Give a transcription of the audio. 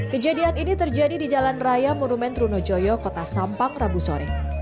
kejadian ini terjadi di jalan raya murumen trunojoyo kota sampang rabu sore